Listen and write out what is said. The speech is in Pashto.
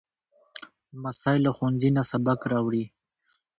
لمسی له ښوونځي نه سبق راوړي.